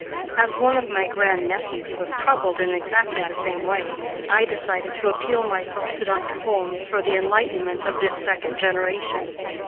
As one of my grand nephews was troubled in exactly the same way, I decided to appeal myself to Dr. Holmes for the enlightenment of this second generation.